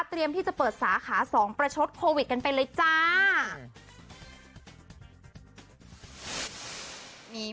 ที่จะเปิดสาขา๒ประชดโควิดกันไปเลยจ้า